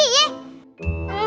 balik balik balik